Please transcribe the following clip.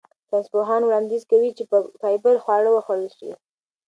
ساینسپوهان وړاندیز کوي چې فایبر خواړه وخوړل شي.